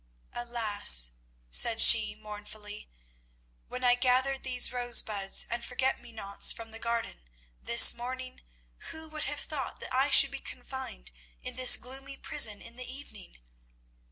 "Alas," said she mournfully, "when I gathered these rosebuds and forget me nots from my garden this morning, who would have thought that I should be confined in this gloomy prison in the evening?